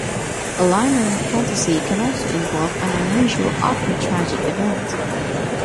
A limerent fantasy can also involve an unusual, often tragic, event.